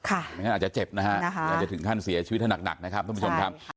อาจจะเจ็บอาจจะถึงขั้นเสียชีวิตหนักนะครับทุกผู้ชมครับ